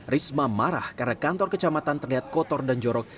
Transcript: risma marah karena kantor kecamatan terlihat kotor dan jorok